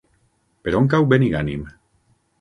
Per on cau Benigànim?